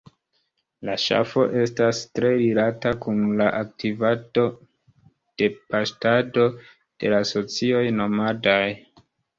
La ŝafo estas tre rilata kun la aktivado de paŝtado de la socioj nomadaj.